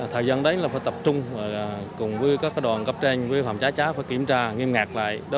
thời gian đấy là phải tập trung cùng với các đoàn cấp tranh với phòng cháy cháy phải kiểm tra nghiêm ngạc lại